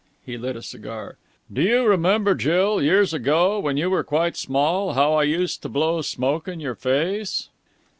He lit a cigar. "Do you remember, Jill, years ago, when you were quite small, how I used to blow smoke in your face?"